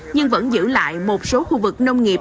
nhưng vẫn giữ lại một số khu vực nông nghiệp